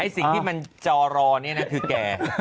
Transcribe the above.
สิ่งที่มันจอรอนี่นะคือแก